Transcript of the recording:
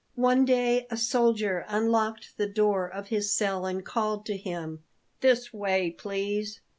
One day a soldier unlocked the door of his cell and called to him: "This way, please!"